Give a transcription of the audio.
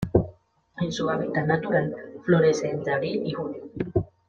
En su hábitat natural, florece entre abril y junio.